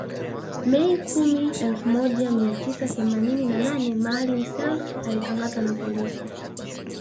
Mei kumi elfu moja mia tisa themanini na nane Maalim Self alikamatwa na polisi